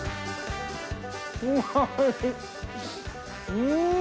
うん！